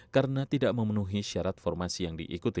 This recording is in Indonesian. karena tidak memenuhi syarat formasi yang diikuti